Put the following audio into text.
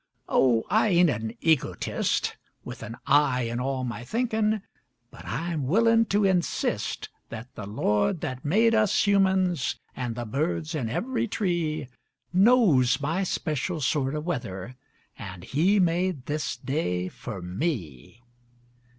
Oh, I ain't an egotist, With an "I" in all my thinkin', but I'm willin' to insist That the Lord that made us humans an' the birds in every tree Knows my special sort o' weather an' He made this day fer me.